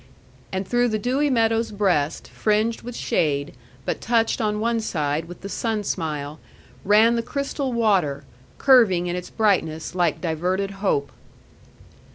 And through the dewy meadow's breast, fringed with shade, but touched on one side with the sun smile, ran the crystal water, curving in its brightness like diverted hope.